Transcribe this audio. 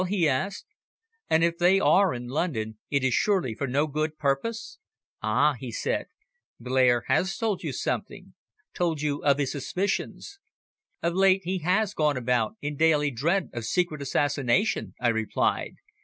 he asked. "And if they are in London it is surely for no good purpose?" "Ah!" he said. "Blair has told you something told you of his suspicions?" "Of late he has gone about in daily dread of secret assassination," I replied.